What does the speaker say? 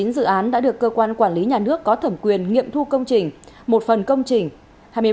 chín dự án đã được cơ quan quản lý nhà nước có thẩm quyền nghiệm thu công trình một phần công trình